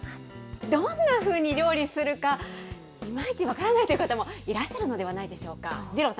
どんなふうに料理するか、いまいち分からないという方もいらっしゃるのではないでしょうか。